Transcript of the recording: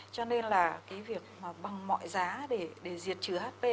cho nên là cái việc mà bằng mọi giá để diệt trừ hp